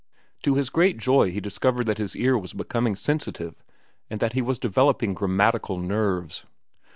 To his great joy he discovered that his ear was becoming sensitive and that he was developing grammatical nerves.